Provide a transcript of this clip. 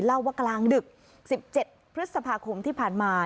เล่าว่ากลางดึก๑๗พฤษภาคมที่ผ่านมา